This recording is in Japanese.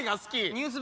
ニュース